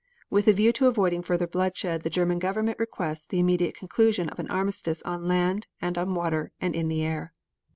With a view to avoiding further bloodshed the German Government requests the immediate conclusion of an armistice on land and on water and in the air.